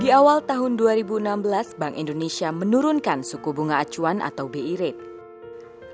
di awal tahun dua ribu enam belas bank indonesia menurunkan suku bunga acuan atau bi rate